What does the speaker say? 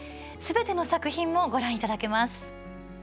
すべての作品もご覧いただけます。